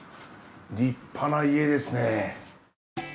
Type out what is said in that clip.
立派な家ですね。